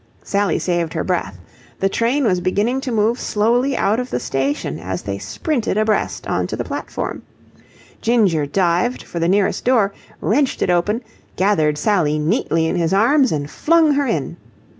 Sally saved her breath. The train was beginning to move slowly out of the station as they sprinted abreast on to the platform. Ginger dived for the nearest door, wrenched it open, gathered Sally neatly in his arms, and flung her in.